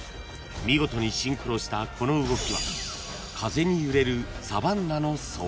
［見事にシンクロしたこの動きは風に揺れるサバンナの草原］